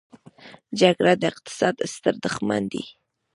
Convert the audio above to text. جګړه د اقتصاد ستر دښمن دی.